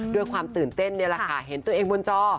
ด้วยความตื่นเต้นนี่แหละค่ะเห็นตัวเองบนจอ